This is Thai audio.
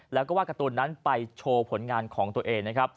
และวาดการ์ตูนนั้นไปโชว์ผลงานของตัวเอง